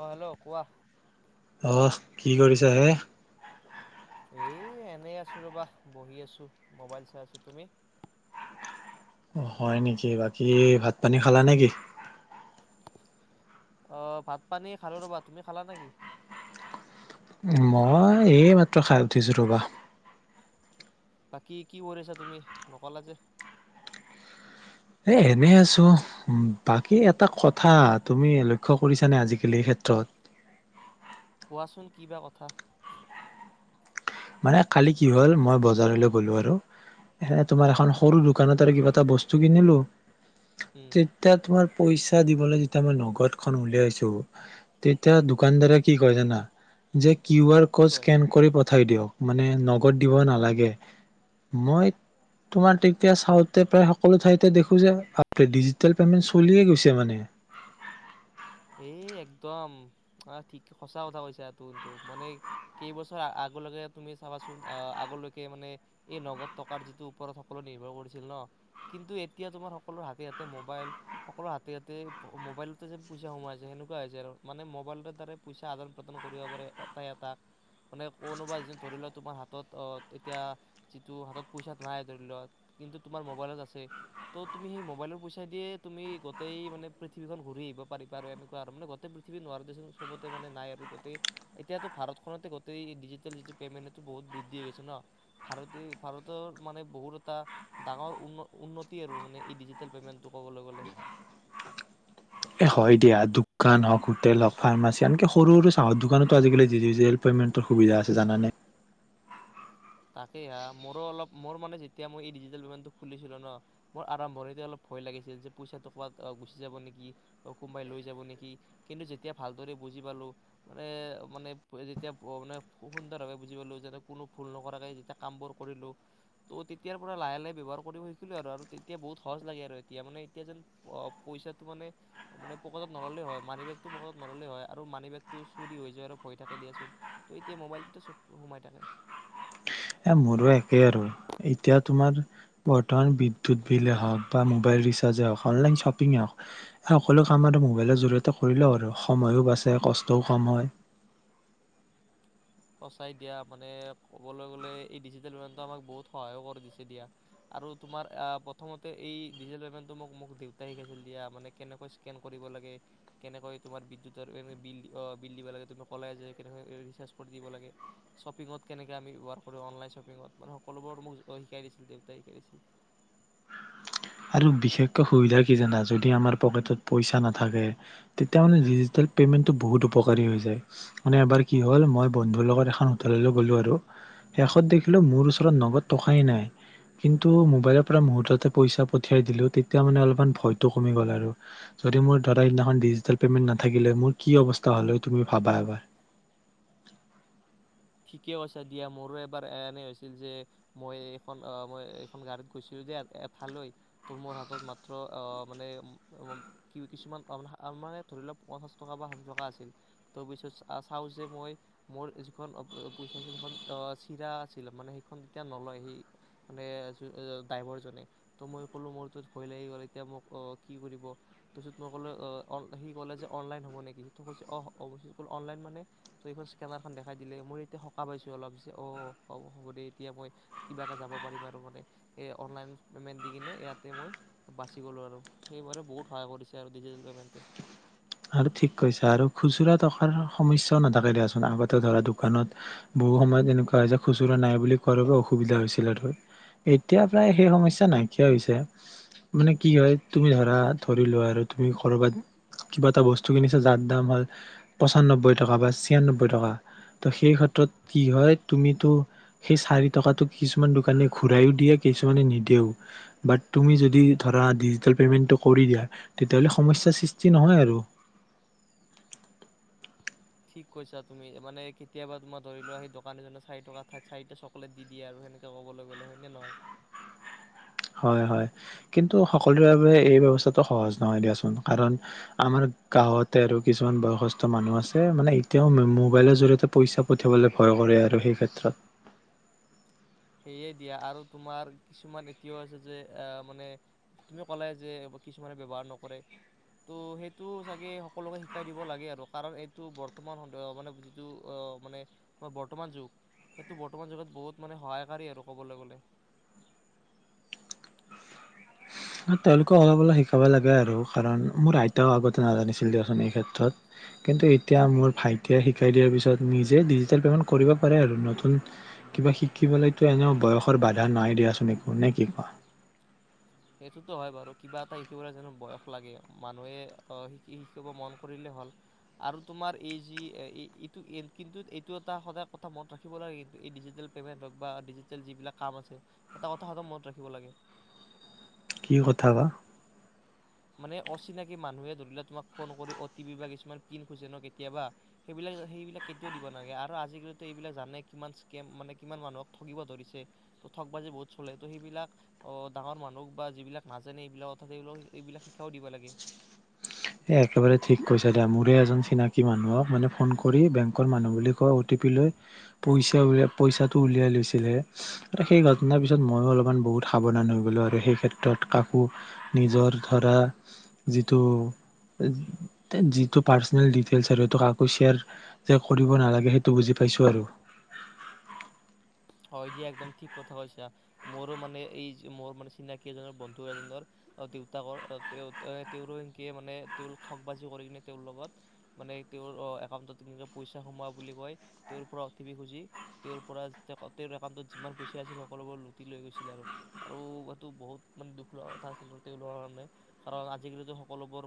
অঁ হেল্ল' কোৱা অঁহ, কি কৰিছা হে? এই! এনেই আছো ৰবা, বহি আছো, মোবাইল চাই আছো তুমি? হয় নেকি, বাকী ভাত পানী খালা নেকি? অ'! ভাত পানী খালো ৰ'বা, তুমি খালা নেকি? মই, এই মাত্ৰ খাই উঠিছো ৰ'বা। বাকী, কি কৰিছা তুমি নকলা যে? এ! এনে আছো অ' বাকী এটা কথা তুমি লক্ষ্য কৰিছানে? আজিকালি এই ক্ষেত্ৰত। কোৱাচোন কি বা কথা? মানে কালি কি হ'ল মই বজাৰলৈ গলো আৰু এ তোমাৰ অ এখন সৰু দোকানত তাৰে কিবা এটা বস্তু কিনিলো। উম তেতিয়া তোমাৰ পইচা দিবলৈ যেতিয়া মই নগদ খন উলিয়াইছো, তেতিয়া দোকান দাৰে কি! কয়! জানা যে কিউ আৰ কি ক'ড কয় স্কেন কৰিব থৈ দিয়ক মানে ন। ত দিব হা নালাগে। মই তোমাৰ তেতিয়া চাউতে প্ৰায় সকলো ঠাইতে দেখোঁ যে ডিজিটেল পেমেণ্ট চলিয়ে গৈছে মানে। এই একদম ঠিক সঁচা কথা কৈছা কিন্তুটো মানে কেইবছৰ আগলৈকে তুমি চাবাচোন আগলৈকে মানে এই নগদ টকাৰ যিটো ওপৰত সকলো নিৰ্ভৰ কৰিছিল ন কিন্তু এতিয়া তোমাৰ সকলো হাতে হাতে মোবাইল সকলো হাতে হাতে মোবাইলতে যে পইচা সোমাইছে সেনেকুৱা হৈছে আৰু মানে মোবাইলৰ দ্বাৰা পইচা আদান প্ৰদান কৰিব পাৰে এটাই এটা মানে কোনোবা এ যে ধৰি লোৱা তোমাৰ হাতত এতিয়া যিটো হাতত পইচা নাই ধৰি লোৱা কিন্তু তোমাৰ মোবাইলত আছে তো তুমি সেই মোবাইলত পইচা দিয়ে তুমি গোটেই মানে পৃথিৱীখন ঘূৰি আহিবা। মান গোটেই পৃথিৱী ন চবতে মানে নাই আৰু গোটেই এতিয়ো ভাৰতখনতে গোটেই ডিজিটেল যিটো পেমেন্টটো বহুত বৃদ্ধি হৈ গৈছে ন ভাৰতে ভাৰতৰ মানে বহুত এটা ডাঙৰ উন্নতি আৰু মানে এই ডিজিটেল পেমেন্টটো ক'বলৈ গ'লে এ হয় দিয়া দোকান হওক হোটেল হওক ফাৰ্মাচী আনকে সৰু সৰু চাহৰ দোকানতো আজিকালি ডিজিটেল পেমেন্টৰ সুবিধা আছে জানানে। তাকে হা মোৰো অলপ মোৰ মানে যেতিয়া মই এই ডিজিটেল পেমেটো খুলিছিলো ন মোৰ আৰম্ভণিতে অলপ ভয় লাগিছিল যে পইচাটো ক'ৰবাত গুচি যাব নেকি কোনোবাই লৈ যাব নেকি কিন্তু যেতিয়া ভালদৰে বুজি পালো মানে মানে যেতিয়া মানে সুন্দৰভাৱে বুজি পালো যে কোনো ভুল নহয়। যেতিয়া কাম বোৰ কৰিলো আৰু তেতিয়া বহুত সহজ লাগে আৰু এতিয়া মানে এতিয়া যেন পইচাটো মানে পকেট ত নললে হয় মানি বেগত নললে হয় আৰু মানি বেগটো চ হৈ যায় আৰু ভয় থাকে দিয়াচোন এতিয়া মবাইলটো সোমই থাকে। এ মোৰো একেই আৰু এতিয়া তোমাৰ বৰ্তমান বিদ্যুত বিলে হওঁক বা মোবাইল ৰিচাৰ্জে হওঁক অনলাইন শ্বপিঙ হওঁক সকলো কামত আৰু মোবাইলৰ জৰিয়তে কৰিলেও আৰু সময়ো বাচে কষ্টও কম হয়। সঁচাই দিয়া মানে কবলৈ গলে ডিজিটেল পেমেনতে আমাক বহুত সহায় কৰিছে দিয়া। প্ৰথমতে এই ডিজিটেল পেমেন্তটো মোক দেউতাই শিকাইছিল দিয়া ৰো কেনেকৈ স্কেন কৰিব লাগে কেনেকৈ তোমাৰ বিদ্যুৎ ৰ বিল অ বিল দিব লগে, কেনেকৈ ৰেচাৰ্গ। দিব লাগে শ্বপিঙত কেনেকে আমি ব্যৱহাৰ কৰো, অনলাইন শ্বপিঙত মানে সকলোবোৰ মোক শিকাই দিছিল দেউতাই শিকাই দিছিল আৰু বিশেষকৈ সুবিধা কি জানা? যদি আমাৰকেত পইচা নাথাকে, তেতিয়া মানে ডিজিতেল পেমেন্ট বহুত উপকাৰী হৈ যায় য মানে এবাৰ কি হ'ল মই বন্ধুৰ লগত এখন হোটেললে আৰু শেষত দেখিলো মোৰ ওচৰত নগদ টকাই নাই, কিন্তু মবাইলৰ পৰামূহুৰ্তত তে পইচা। পঠিয়াই দিলো তেতিয়া মানে অলপ ভয়টো কমি গ'ল আৰু যদি মোৰা তাতে সিদিনা ডিজিটেল পেমেন্ট নাথাকিলে মোৰ কি অৱস্থা হল তুমি ভাবা এবাৰ। ঠিকে কৈছা দিয়া মোৰো এবাৰ এনে হৈছিল যে মই এইখন আহ মই এইখন গাড়ীত গৈছিলো দিয়া এঠালৈ ত' মোৰ হাতত মাত্ৰ আহ মানে কি কিছুমান মানে ধৰি লওক পঞ্চাশ টকা বা ষাঠি টকা আছিল ত পিছত চাও যে মই মোৰ যিখন। পইচা আছিল সেইখন অ চিঙা আছিল মানে সেইখন তেতিয়া নলয় সেই মানে ড্ৰাইভাৰ জনে ত মই ক'লো মোৰ ত ভয় লাগি গল এতিয়া মোক অ কি কৰিব তাৰ পিছত মই কলো সি ক'লে যে অনলাইন হ'ব নেকি? অহ অলাইন মানে তে স্কেনাৰখন দেখাই দিলে মোৰ। এ সকাহ পাইছোঁ অলপ অ হ'ব হ'ব দে এতিয়া মই কিবাকে যাব পাৰিম আৰু মানে এই অনলাইন পেমেণ্ট দি কিনে ইয়াতে মই বাচি গ'লো আৰু সেইবাৰে বহুত সহায় কৰিছে আৰু ডিজিটেল পেমেণ্টে। আৰু ঠিক কৈছো আৰু খুচুৰা থকাৰ সমস্যা ও নাথাকে দিয়াচোন, আগতে ধৰা দোকানত বহু সময় এনেকুৱা যে খুচুৰা নাই বুলি কৰব অসুবিধা হৈছিল আৰু এতিয়া প্ৰায় সেই সমস্যা নাইকিয়া হৈছে, মানে কি হয় তুমি ধৰা ধৰিলোৱা আৰু তুমি কৰবাত। কিবা এটা বস্তু কিনিছা যাৰ দাম হ'ল পঁচান্ব্বৈ টকা বা ছিয়ান্নব্বৈ টকা ত' সেই ক্ষেত্ৰত কি হয় তুমিতো সেই চাৰি টকাতটো কিছুমান দোকানে ঘূৰাইও দিয়ে কিছুমানে নিদেও বাট তুমি যদি ধৰা ডিজিটেল পেমেণ্টটো কৰি দিয়া তেতিয়াহ'লে সমস্যাৰ সৃষ্টি নহয় আৰু ঠিক কৈছা তুমি মানে কেতিয়াবা তোমাৰ ধৰি লোৱা সেই দোকানী জনে চাৰি টকাঠাই চাৰিটা চকলেট দি দিয়ে আৰু সেনেকে কবলৈ গলে হয়নে নহয়? হয় হয় কিন্তু সকলোৰে বাবে এই ব্যস্থাটো সহজ নহয় দিয়াচোন কাৰণ আমাৰ গাঁৱতে আৰু কিছুমান বয়সষ্ঠ মানুহ আছে মানে এতিয়াও মোবাইলৰ জৰিয়তে পইচা পঠিয়াবলৈ ভয় কৰে আৰু সেই ক্ষেত্ৰত সেয়ে দিয়া আৰু তোমাৰ কিছুমান এতিয়াও আছে যে, মানে তুমি ক'লে যে কিছুমানে ব্যবহাৰ নকৰে ত' সেইটো চাগে সকলোকে শিকাই দিব লাগে আৰু কাৰণ এইটো বৰ্তমান স মানে যিটো মানে তোমাৰ বৰ্তমান যুগ সেইটো বৰ্তমান যুগত বহুত মানে সহায়। পাৰি আৰু ক'বলৈ গ'লে। তেওঁলোকে অলপ অলপ শিকাব লাগে আৰু কাৰণ মোৰ আইতাও আগতে নাজানিছিল দিয়াচুন ক্ষেত্ৰত, কিন্তু এতিয়া মোৰ ভাইটিয়ে শিকাই দিয়াৰ পিছত নিজে ডিজিেল পেমেন্ট কৰিব পাৰে আৰু নতুন কিবা শিকিবলৈ টো এনে ও বয়সৰ বাধা নাই দিয়াচোন নে কি কোৱা। সেইটোতো হয় বাৰু কিবা এটা শিকিবলৈ বয়স লাগে মানুহে শিক মন কৰিলে হ'ল আৰু তোমাৰ এই যিটো কিন্তু এইটো এটা সদায় কথা মনত ৰাখিব লাগে এই ডিজিটেল পেমেণ্ট হক বা ডিজিটেল যিবিলাক কাম আছে, এটা কথা সদায় মনত ৰাখিব লাগে। কি কথা বা মানে অচিনাকি মানুহে ধৰিলে তোমাক ফোন কৰি অ' টি পি বা কিছুমান পিন খুজে ন কেতিয়াবা সেইবিলাক সেইবিলাক কেতিয়াও দিব নাগে আৰু আজিকালো এইবিলাক জানে কিমান স্কেম মানে কিমান মানুহক ঠগিব ধৰিছে ত ঠগ বাজি বহুত চলে ত' সেইবিলাক অ ডাঙৰ মানুহক বা যিবিলাক নাজানে স এইবিলাক অথাৎ সবিলাক। এইবিলাক শিক্ষাও দিব লাগে। এ একেবাৰে ঠিক কৈছ দা মোৰে এজন চিনাকি মানুহক মানে ফোন কৰি বেংকৰ মানুহ বুলি কয় অটি পি লৈ পইচাল পইচাটো উলিয়াই লৈছিলে সেই ঘটনাৰ পিছত ময়ো অলপমান বহুত সাৱধান হৈ গলো আৰু সেই ক্ষেত্ৰত কাকো নিজৰ ধৰা যিটো। যিটো পাৰচনেল দিটেলছ আৰু কাকো সেয়াৰ যে কৰিব নালাগে সেইটো বুজি পাইছোঁ আৰু। হয় দিয়া একদম ঠিক কথা কৈছা মোৰো মানে এই মোৰ মানে চিনাকি এজনৰ বন্ধু এজনৰ দেউতাকৰ তেওঁ তেওঁৰো এনকে মানে তেওঁ ঠগ বাজি কৰি কিনে তেওঁৰ লগত মানে তেওঁৰ একাউণ্টত এনেকৈ পইচা সোমোৱা বুলি কয় তেওঁৰ পৰা অউ টি পি খুজি তেওঁৰ পৰা যে তেওঁৰ একাউণ্টত যিমান পইচা আছিল সকলোবোৰ লুটি লৈ গৈছিল আৰু এইটো বহুত মানে দুখ লোৱা কথা আছিল আৰু তেওঁলোকৰ কাৰণে কাৰণ আজিকালিটো সকলোবোৰ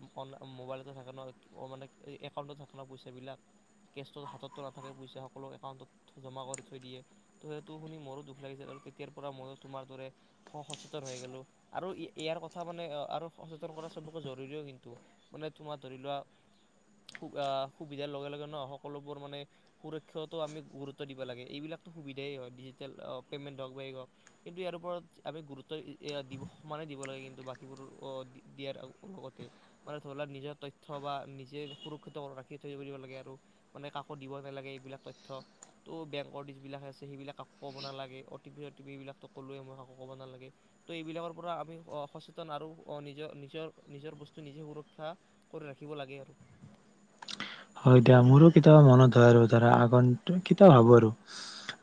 মোবাইলতে থাকে ন, মানে একাউণ্টত থাকে ন পইচাবিলাক কেচটো হাততো নাথাকে পইচা সকলো একাউণ্টত জমা কৰি থৈ দিয়ে। ত সেইটো শুনি মোৰো দুখ লাগিছিল, আৰু তেতিয়াৰ পৰা মই তোমাৰ দৰে সচেতন হৈ গলো আৰু ইয়াৰ কথা মানে আৰু সচেতন কৰা চবকে জৰুৰীও কিন্তু মানে তোমাৰ ধৰি লোৱা আহ সুবিধাৰ লগে লগে ন সকলোবোৰ মানে সুৰক্ষাতো আমি গুৰুত্ব দিব লাগে এইবিলাক। সুবিধাই হয় ডিজিটেল পে'মেণ্ট হওক বা এই হওক কিন্তু ইয়াৰ ওপৰত আমি গুৰুত্ব সমানেই দিব লাগে কিন্তু বাকীবোৰ দিয়াৰ লগতে মানে ধৰি লওক নিজৰ তথ্য বা নিজে সুৰক্ষিত ৰাখি থৈ দিব লাগে আৰু মানে কাকো দিব নালাগে এইবিলাক তথ্য ত' বেংকৰ যি বিলাক আছে সেইবিলাক কাকো ক'ব নালাগে, অটিপি অটিপি এইবিলাকতো কলোৱে মই কাকো ক'ব নালাগে ত' এইবিলাকৰ পৰা আমি সচেতন আৰু নিজৰ নিজৰ নিজৰ বস্তু নিজে সুৰক্ষা কৰি ৰাখিব লাগে আৰু হয় দিয়া মোৰো কেতিয়াবা মনত আৰু ধৰা আগন্তুক কেতিয়াও ভাবো আৰু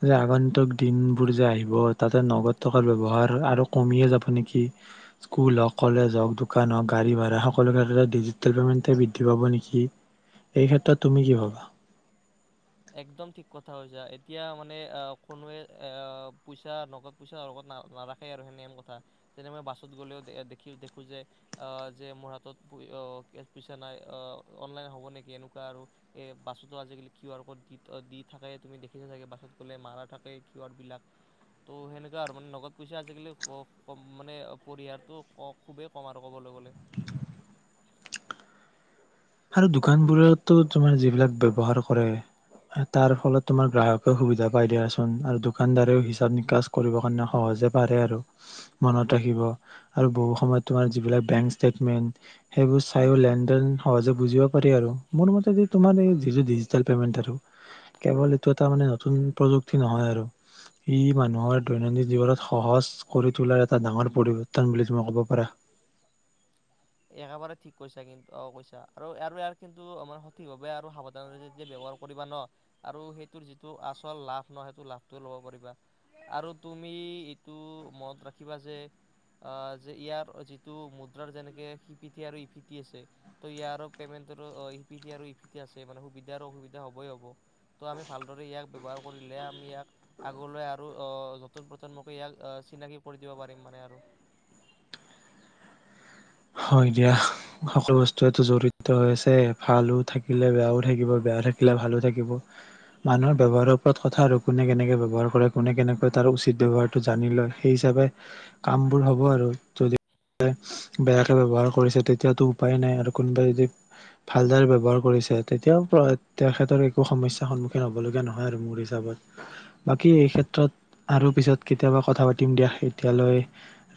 যে আগন্তুক দিন বোৰ যে আহিব তাতে নগদ থকাৰ ব্যৱহাৰ আৰু কমিয়ে যাব নেকি? স্কুল হওক, কলেজ হওঁক, দোকান হওক, গাড়ী ভাৰা সকলো ক্ষেত্ৰতে ডিজিট পেমেন্ট বৃদ্ধি পাব নেকি? এই ক্ষেত্ৰত তুমি কি ভ'বা? একদম ঠিক কথা কৈচা, এতিয়া মানে কোনোৱে পইচা ন পইচাত ন নাৰাখে আৰু সেনেহেন কথা যেনে মই বাছত গ'লেও দেখ দেখো যে যে মোৰ হাতত পইচা নাই অনলাইন হ'ব নেকি এনেকুৱা আৰু এ বাছতো আজিকালি কিউ আৰ ক'ড দি থাকে তুমি দেখিছা চাগে বাছত গলে মাৰা থাকে কিহ বিলাক ত' সেনেকুৱা আৰু মানে নগদ পইচা আজিকালি ক মানে পৰিহাৰটো খুবেই কম আৰু ক'বলৈ গলে। আৰু দুকানবোৰত তু তোমাৰ যিবিলাক ব্যয়হাৰ কৰে, তাৰ ফলত তোমাৰ গ্ৰাহকে সুবিধা পই দিয়া চুণ আৰু দুকাণদাৰেও হিচাপ নিকাছ কৰিবলে সহজ পাৰে আৰু ব মনত ৰাখিব আৰু বহু সময়ত তোমাৰ যিবিলাক বেংক ষ্টেটমেন্ত, সেইবোৰ ছাইও তোমাৰ লেনদেন। সহজে বুজিব পাৰি আৰু মোৰ মতে তোমাৰ এই ডিজিটেল পেমেন্ত আৰু ই মানুহৰ দৈনন্দিন জীৱনত সহজ কৰি তোলাৰ এটা ডাঙৰ পৰিবৰ্তন বুলি তুমি কব পাৰা। একেবাৰে ঠিক কৈছা কিন্ত অ কৈছা আৰু আৰু ইয়াৰ কিন্তু মে সঠিকভাৱে আৰু সাৱধান যেতিয়া ব্যৱহাৰ কৰিবা ন আৰু সেইটোৰ যিটো আচল লাভ ন সেইটো লাভটো ল'ব পাৰিবা আৰু তুমি এইটো মন ৰাখিবা যে আহ যে ইয়াৰ যিটো মুদ্ৰাৰ যেনেকে হিপিঠি আৰু ইপিটি আছে ত ইয়াৰ পেমেণ্ট সিপিঠি আৰু ইপিঠি আছে মানে সুবিধা আৰু অসুবিধা হবই হব ত' আমি ভালদৰে ইয়াক ব্যৱহাৰ কৰিলে আমি ইয়াক আগলৈ আৰু আহ নতুন প্ৰজন্মকে ইয়াক চিনাকি কৰি দিব পাৰিম মানে আৰু হয় দিয়া সকলো বস্তুটো জৰি়ত হৈ আছে, ভালো থাকিলে বেয়াও থাকিব বেয়াও থাকিলে ভালো থাকিব মানুহৰ ব্যৱহাৰৰ ওপৰত কথা আৰু কোনে কেনেকে ব্যৱহাৰ কৰে কোনে কেনেকৈ তাৰ উচিত ব্যৱহাৰটো জানি লয় সেই হিচাপে কামবোৰ হব আৰু যদি বেয়া। ব্যৱহাৰ কৰিছে তেতিয়াতো উপায় নাই আৰু কোনোবাই যদি ভালদৰে ব্যৱহাৰ কৰিছে তেতিয়াও তেখেতৰ একো সমস্যাৰ সন্মুখীন হব লগীয়া নহয় আৰু মোৰ হিচাপত বাকী এই ক্ষেত্ৰত আৰু পিছত কেতিয়াবা কথা পাতিম দিয়া এতিয়ালৈ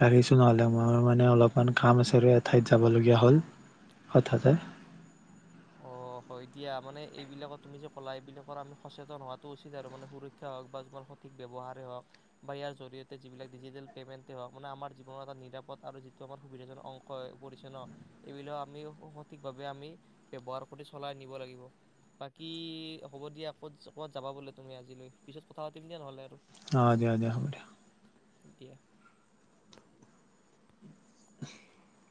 ৰাখিছো নহলে মোৰ মানে অলপমান কাম আছে। এ ঠাইত যাবলগীয়া হ'ল হঠাতে অঁ হয় দিয়া মানে এইবিলাকৰ তুমি যে ক'লা এইবিলাকৰ আমি সচেতন হোৱাটো উচিত আৰু মানে সুৰক্ষা হওক বা তোমাৰ সঠিক ব্যৱহাৰেই হওক বা ইয়াৰ জৰিয়তে যিবিলাক ডিজিটেল পে'মেণ্টেই হওক মানে আমাৰ জীৱনৰ এটা নিৰাপদ আৰু যিটো আমাৰ সুবিধাজনক অংশ হৈ পৰিছে ন এইবিলাক আমি সঠিকভাৱে আমি ব্যৱহাৰ কৰোঁ প্ৰতি চলাই নিব লাগিব বাকী হ'ব দিয়া ক'ত- ক'ত যাবা বোলে তুমি আজিলৈ পিছত কথা পাতিম দিয়া নহ'লে আৰু দে দে হ'ব দে এ দিয়া উ